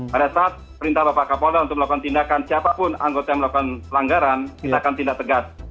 pada saat perintah bapak kapolda untuk melakukan tindakan siapapun anggota yang melakukan pelanggaran kita akan tindak tegas